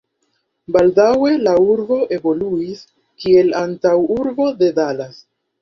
Baldaŭe la urbo evoluis, kiel antaŭurbo de Dallas.